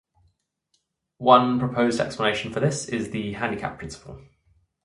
One proposed explanation for this is the handicap principle.